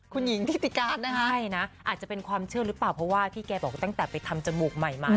คุณหญิงทิติการนะคะใช่นะอาจจะเป็นความเชื่อหรือเปล่าเพราะว่าพี่แกบอกตั้งแต่ไปทำจมูกใหม่มา